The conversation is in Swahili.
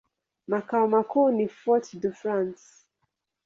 Makao makuu ni Fort-de-France.